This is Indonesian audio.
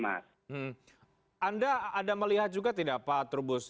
anda ada melihat juga tidak pak trubus